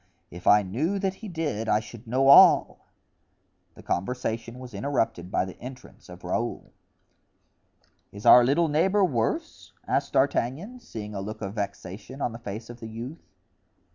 if I knew that he did I should know all." The conversation was interrupted by the entrance of Raoul. "Is our little neighbor worse?" asked D'Artagnan, seeing a look of vexation on the face of the youth.